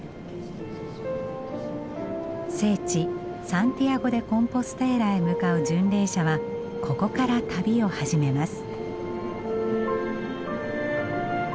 聖地サンティアゴ・デ・コンポステーラへ向かう巡礼者はここから旅を始めます。